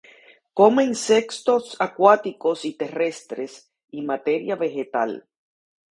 Come insectos acuáticos y terrestres, y materia vegetal.